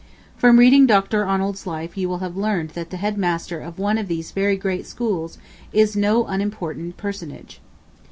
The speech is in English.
From reading Dr. Arnold's life you will have learned that the head master of one of these very great schools is no unimportant personage.